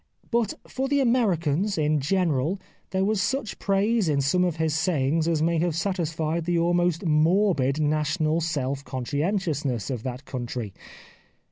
But for the Americans, in general, there was such praise in some of his sayings as may have satis fied the almost morbid national self conscien tiousness of that country.